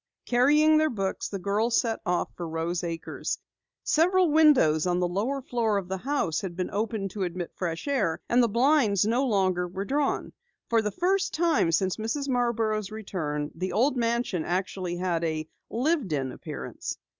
Carrying their books, the girls set off for Rose Acres. Several windows on the lower floor of the house had been opened to admit fresh air and the blinds no longer were drawn. For the first time since Mrs. Marborough's return, the old mansion actually had a "lived in" appearance.